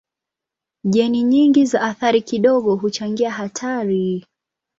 Jeni nyingi za athari kidogo huchangia hatari.